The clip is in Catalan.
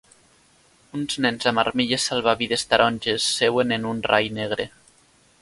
Uns nens amb armilles salvavides taronges seuen en un rai negre.